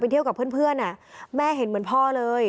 เที่ยวกับเพื่อนแม่เห็นเหมือนพ่อเลย